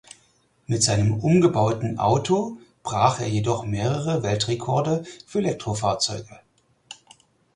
Mit seinem umgebauten Auto brach er jedoch mehrere Weltrekorde für Elektrofahrzeuge.